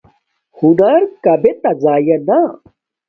ہنر کابتہ زایا نا